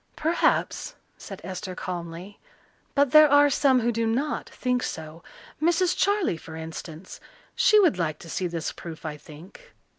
"Perhaps," said Esther calmly, "but there are some who do not think so. Mrs. Charley, for instance she would like to see this proof, I think."